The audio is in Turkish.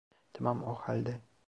Tamam o halde.